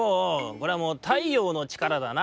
これはもう太陽のちからだな」。